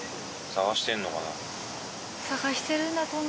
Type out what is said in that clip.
捜してるのかな？